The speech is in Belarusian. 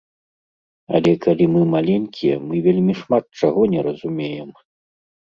Але калі мы маленькія, мы вельмі шмат чаго не разумеем.